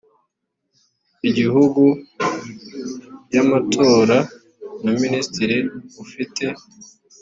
igihugu y amatora na minisitiri ufite